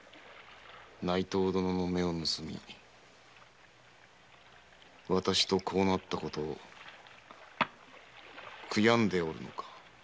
内藤殿の目を盗みわたしとこうなったことを悔やんでおるのか。